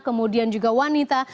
korbannya juga menyasar wanita